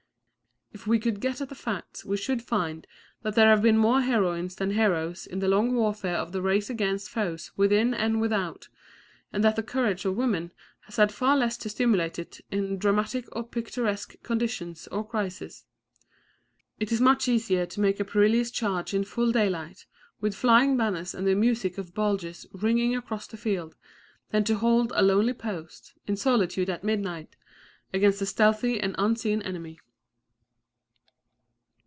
If we could get at the facts we should find that there have been more heroines than heroes in the long warfare of the race against foes within and without, and that the courage of women has had far less to stimulate it in dramatic or picturesque conditions or crises. It is much easier to make a perilous charge in full daylight, with flying banners and the music of bugles ringing across the field, than to hold a lonely post, in solitude at midnight, against a stealthy and unseen enemy.